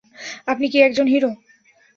আপনি কি একজন হিরো?